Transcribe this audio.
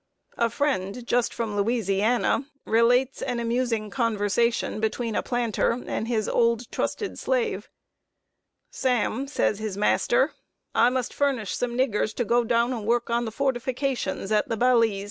A friend just from Louisiana, relates an amusing conversation between a planter and an old, trusted slave. "Sam," said his master, "I must furnish some niggers to go down and work on the fortifications at the Balize.